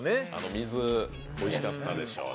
水、おいしかったでしょうね。